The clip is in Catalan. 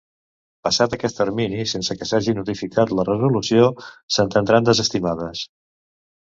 Passat aquest termini sense que s'hagi notificat la resolució, s'entendran desestimades.